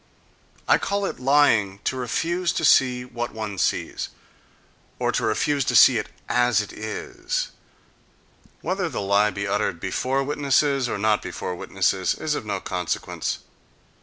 —I call it lying to refuse to see what one sees, or to refuse to see it as it is: whether the lie be uttered before witnesses or not before witnesses is of no consequence.